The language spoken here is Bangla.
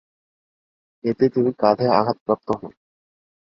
এতে তিনি কাঁধে আঘাতপ্রাপ্ত হন।